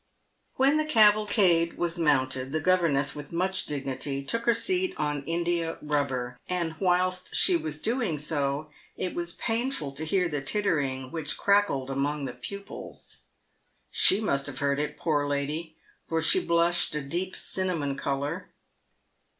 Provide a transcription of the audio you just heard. "When the cavalcade was mounted, the governess, with much dig nity, took her seat on India Eubber ; and whilst she was doing so, it was painful to hear the tittering which crackled among the pupils. She must have heard it, poor lady, for she blushed a deep cinnamon colour.